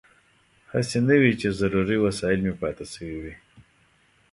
هسې نه وي چې ضروري وسایل مې پاتې شوي وي.